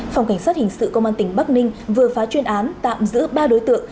phòng cảnh sát hình sự công an tỉnh bắc ninh vừa phá chuyên án tạm giữ ba đối tượng